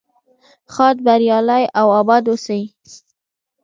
ښاد بریالي او اباد اوسئ.